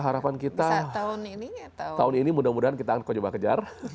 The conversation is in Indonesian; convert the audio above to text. harapan kita tahun ini mudah mudahan kita akan coba kejar